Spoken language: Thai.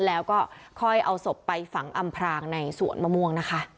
แล้วก็ค่อยเอาศพไปฝังอำพรางในสวนมะม่วงนะคะ